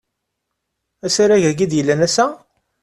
Asarag-agi i d-yellan ass-a?